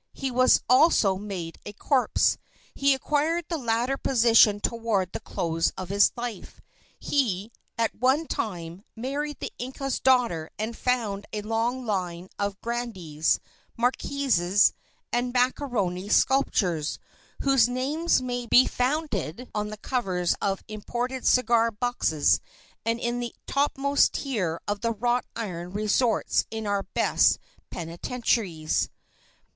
He was also made a corpse. He acquired the latter position toward the close of his life. He, at one time, married the inca's daughter and founded a long line of grandees, marquises, and macaroni sculptors, whose names may be found on the covers of imported cigar boxes and in the topmost tier of the wrought iron resorts in our best penitentiaries.